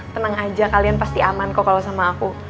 tenang aja kalian pasti aman kok kalau sama aku